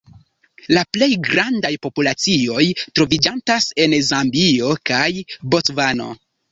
La plej grandaj populacioj troviĝantas en Zambio kaj Bocvano.